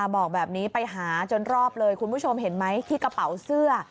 บอกแบบนี้ไปหาจนรอบเลยคุณผู้ชมเห็นไหมที่กระเป๋าเสื้อ